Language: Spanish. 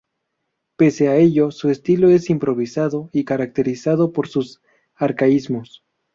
Pese a ello, su estilo es improvisado y caracterizado por sus arcaísmos.